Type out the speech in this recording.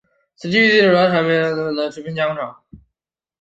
此聚居地主要的产业为木材生产业及食品加工业。